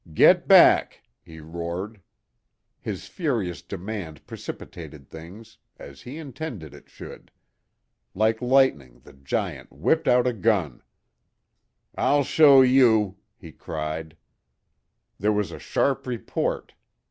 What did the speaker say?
"Get back!" he roared. His furious demand precipitated things, as he intended it should. Like lightning the giant whipped out a gun. "I'll show you!" he cried. There was a sharp report.